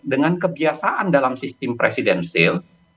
dengan kebiasaan dalam sistem presidensil